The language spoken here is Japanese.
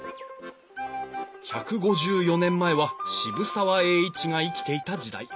１５４年前は渋沢栄一が生きていた時代。